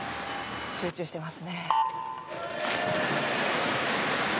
集中してますね。